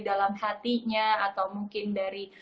dalam hatinya atau mungkin dari